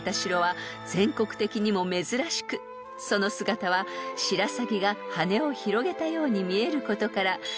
［その姿はシラサギが羽を広げたように見えることから］